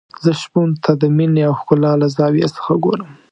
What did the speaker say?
زه شپون ته د مينې او ښکلا له زاویې څخه ګورم.